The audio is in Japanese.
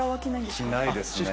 着ないですね